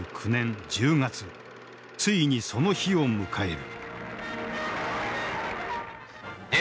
ついにその日を迎える。